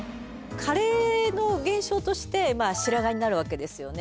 加齢の現象として白髪になるわけですよね。